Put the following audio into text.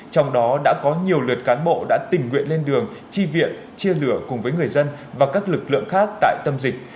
trong đó đã có nhiều lượt cán bộ đã tình nguyện lên đường chi viện chia lửa cùng với người dân và các lực lượng khác tại tâm dịch